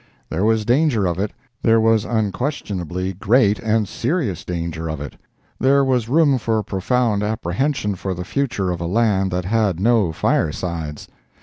There was danger of it; there was unquestionably great and serious danger of it. There was room for profound apprehension for the future of a land that had no firesides!